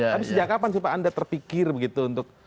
tapi sejak kapan sih pak anda terpikir begitu untuk